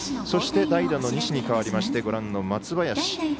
そして、代打の西に代わりまして松林。